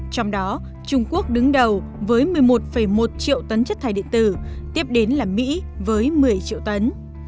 trong đó trung quốc đứng đầu với một mươi một một triệu tấn chất thải điện tử tiếp đến là mỹ với một mươi triệu tấn